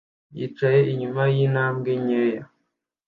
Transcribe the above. yicaye inyuma yintambwe nkeya